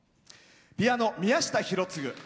ピアノ、宮下博次。